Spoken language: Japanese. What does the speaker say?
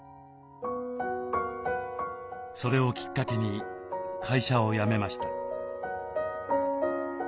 それをきっかけに会社を辞めました。